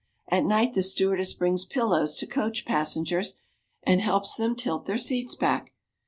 At night the stewardess brings pillows to coach passengers and helps them tilt their seats back.